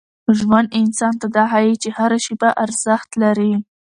ژوند انسان ته دا ښيي چي هره شېبه ارزښت لري.